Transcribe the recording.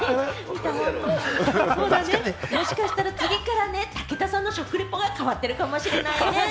もしかしたら、次から武田さんの食リポが変わってるかもしれないね。